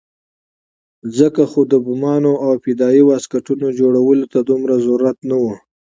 ځکه خو د بمانو او فدايي واسکټونو جوړولو ته دومره ضرورت نه وو.